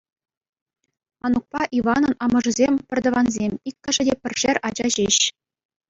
Анукпа Иванӑн амӑшӗсем — пӗртӑвансем, иккӗшӗн те пӗршер ача ҫеҫ.